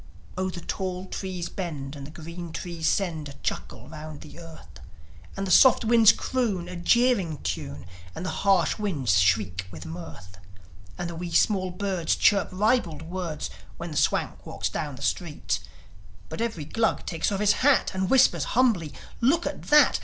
Oh, the tall trees bend, and green trees send A chuckle round the earth, And the soft winds croon a jeering tune, And the harsh winds shriek with mirth, And the wee small birds chirp ribald words When the Swank walks down the street; But every Glug takes off his hat, And whispers humbly, "Look at that!